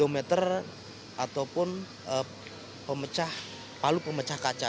meter ataupun palu pemecah kaca